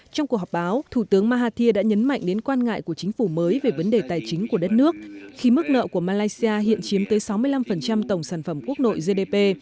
trong cuộc họp báo thủ tướng mahathir đã nhấn mạnh đến quan ngại của chính phủ mới về vấn đề tài chính của đất nước khi mức nợ của malaysia hiện chiếm tới sáu mươi năm tổng sản phẩm quốc nội gdp